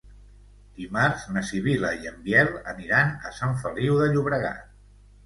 Dimarts na Sibil·la i en Biel aniran a Sant Feliu de Llobregat.